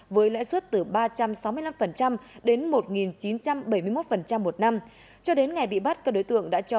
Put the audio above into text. với lãi suất từ ba trăm sáu mươi năm đến một chín trăm bảy mươi một một năm cho đến ngày bị bắt các đối tượng đã cho